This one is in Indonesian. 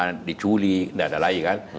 dimana ditahan diculik tidak ada lagi kan